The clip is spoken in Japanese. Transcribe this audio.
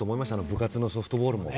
部活のソフトボールも。